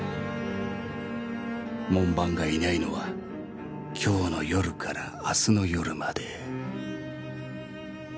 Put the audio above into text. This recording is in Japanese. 門番がいないのは今日の夜から明日の夜まで